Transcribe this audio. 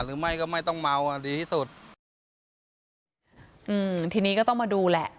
หรือไม่ก็ไม่ต้องเมาอ่ะดีที่สุดอืมทีนี้ก็ต้องมาดูแหละ